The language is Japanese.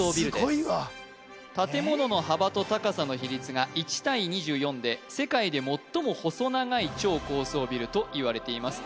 すごいわ建物の幅と高さの比率が１対２４で世界で最も細長い超高層ビルといわれています